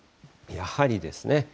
やはりですね。